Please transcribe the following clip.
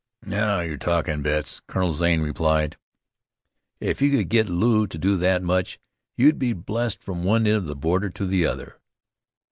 "Now you're talking, Betts," Colonel Zane replied. "If you could get Lew to do that much, you'd be blessed from one end of the border to the other."